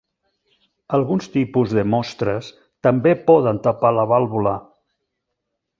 Alguns tipus de mostres també poden tapar la vàlvula.